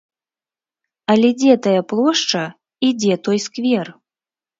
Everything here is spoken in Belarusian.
Але дзе тая плошча і дзе той сквер?